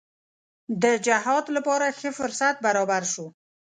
د جهاد لپاره ښه فرصت برابر شو.